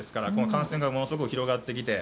感染がものすごく広がってきて